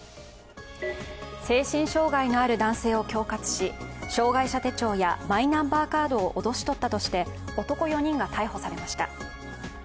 精神障害のある男性を恐喝し障害者手帳やマイナンバーカードを脅し取ったとして男４人が逮捕されました。